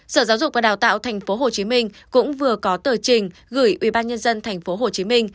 sở giáo dục và đào tạo tp hcm cũng vừa có tờ trình gửi ubnd tp hcm